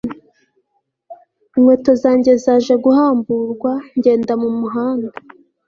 inkweto zanjye zaje guhamburwa ngenda mu muhanda